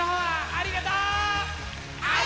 ありがとう！